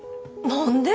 何で？